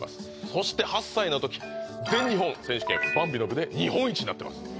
そして８歳の時全日本選手権バンビの部で日本一になってます